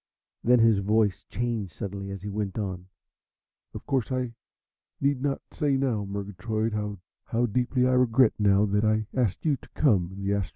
Then his voice changed suddenly as he went on, "Of course, I need not say now, Murgatroyd, how deeply I regret now that I asked you to come in the Astronef."